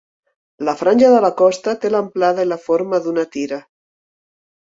La franja de la costa té l'amplada i la forma d'una tira.